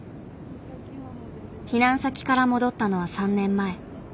避難先から戻ったのは３年前。